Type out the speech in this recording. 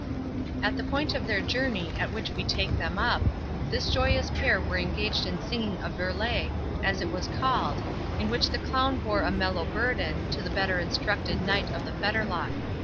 At the point of their journey at which we take them up, this joyous pair were engaged in singing a virelai, as it was called, in which the clown bore a mellow burden, to the better instructed Knight of the Fetterlock.